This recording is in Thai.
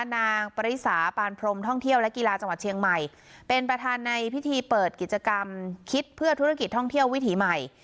ปริสาปานพรมท่องเที่ยวและกีฬาจังหวัดเชียงใหม่เป็นประธานในพิธีเปิดกิจกรรมคิดเพื่อธุรกิจท่องเที่ยววิถีใหม่